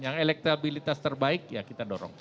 yang elektabilitas terbaik ya kita dorong